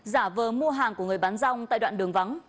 giả vờ mua hàng của người bán rong tại đoạn đường vắng